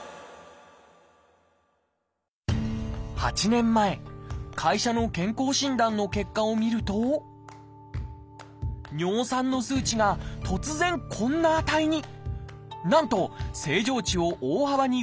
８年前会社の健康診断の結果を見ると尿酸の数値が突然こんな値に。